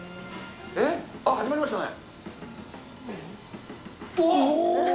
えっ？あっ、始まりましたね。